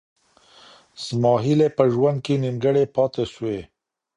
زما هیلې په ژوند کي نیمګړې پاتې سوې.